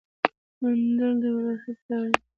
مندل د وراثت پلار دی